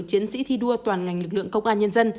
chiến sĩ thi đua toàn ngành lực lượng công an nhân dân